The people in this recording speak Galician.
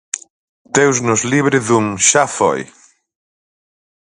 Deus nos libre dun "xa foi!".